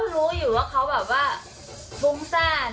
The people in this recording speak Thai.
รู้อยู่ว่าเขาแบบว่าฟุ้งซ่าน